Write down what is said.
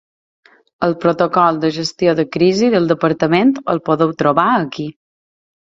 El protocol de gestió de crisi del Departament el podeu trobar aquí.